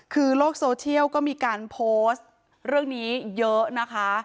คือโลกโซเชียลก็มีการโพสต์เรื่องนี้เยอะนะคะ